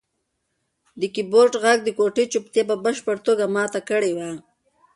د کیبورډ غږ د کوټې چوپتیا په بشپړه توګه ماته کړې وه.